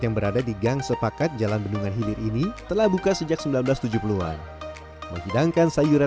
yang berada di gang sepakat jalan bendungan hilir ini telah buka sejak seribu sembilan ratus tujuh puluh an menghidangkan sayuran